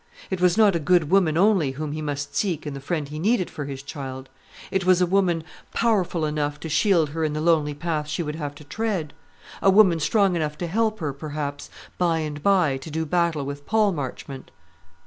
It was not a good woman only whom he must seek in the friend he needed for his child; it was a woman powerful enough to shield her in the lonely path she would have to tread; a woman strong enough to help her, perhaps, by and by to do battle with Paul Marchmont.